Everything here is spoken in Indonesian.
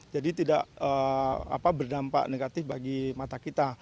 jadi tidak berdampak negatif bagi mata kita